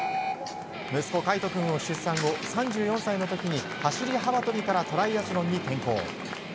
息子・海杜君を出産後３４歳の時に走り幅跳びからトライアスロンに転向。